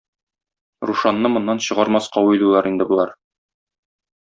Рушанны моннан чыгармаска уйлыйлар инде болар.